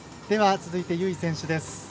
続いて、由井選手です。